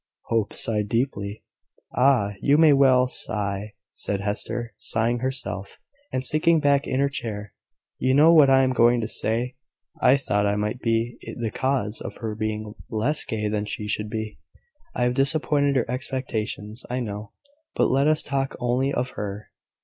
Hope sighed deeply. "Ah! you may well sigh," said Hester, sighing herself, and sinking back in her chair. "You know what I am going to say. I thought I might be the cause of her being less gay than she should be. I have disappointed her expectations, I know. But let us talk only of her."